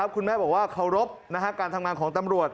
คุณแม่บอกว่าเคารพการทำงานของตำรวจ